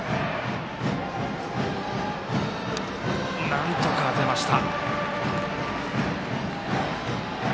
なんとか当てました。